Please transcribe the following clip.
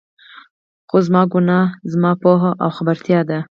خو زما ګناه، زما پوهه او خبرتيا ده.